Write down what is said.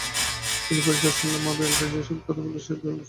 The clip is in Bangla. তিনি পরিষ্কার শুনলেন-মা-বিড়ালটা যে-সব কথা বলছে তা তিনি বুঝতে পারছেন।